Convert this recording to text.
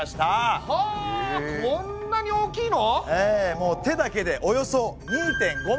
もう手だけでおよそ２．５ｍございます。